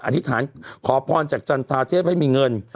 อธิษฐานขอพรจากจันทราเทพให้มีเงิน